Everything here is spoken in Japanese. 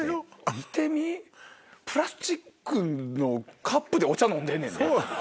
見てみプラスチックのカップでお茶飲んでんねんで。